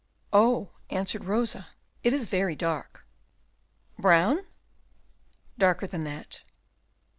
"Oh," answered Rosa, "it is very dark!" "Brown?" "Darker than that."